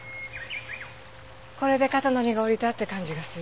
これで肩の荷が下りたって感じがする。